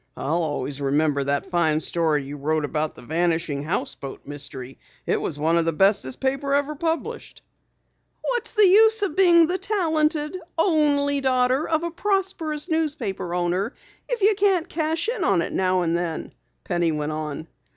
"I'll always remember that fine story you wrote about the Vanishing Houseboat Mystery. It was one of the best this paper ever published." "What's the use of being the talented, only daughter of a prosperous newspaper owner if you can't cash in on it now and then?" Penny went on.